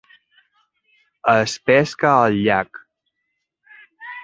Es pesca al llac.